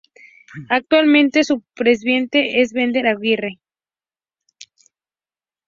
Actualmente su presidente es Enver Aguirre.